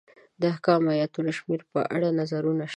د احکامو ایتونو شمېر په اړه نظرونه شته.